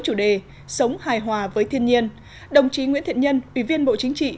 chủ đề sống hài hòa với thiên nhiên đồng chí nguyễn thiện nhân ủy viên bộ chính trị